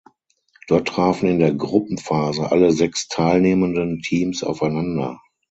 Dort trafen in der Gruppenphase alle sechs teilnehmenden Teams aufeinander.